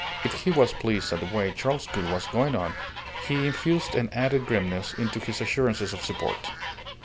If he was pleased at the way Charles Gould was going on, he infused an added grimness into his assurances of support.